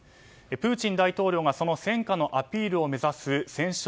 プーチン大統領がその戦果のアピールを目指す戦勝